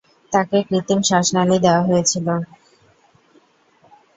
তাকে কৃত্রিম শ্বাসনালি দেওয়া হয়েছিল।